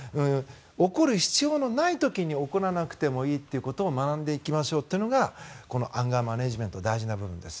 怒る必要のない時に怒らなくてもいいということを学んでいきましょうというのがこのアンガーマネジメント大事な部分です。